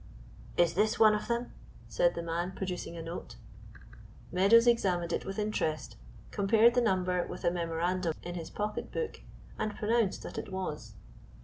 "Is this one of them?" said the man, producing a note. Meadows examined it with interest, compared the number with a memorandum in his pocketbook, and pronounced that it was.